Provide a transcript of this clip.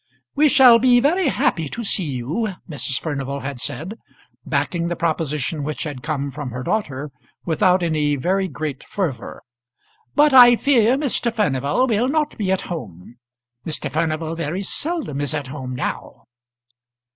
"We shall be very happy to see you," Mrs. Furnival had said, backing the proposition which had come from her daughter without any very great fervour; "but I fear Mr. Furnival will not be at home. Mr. Furnival very seldom is at home now."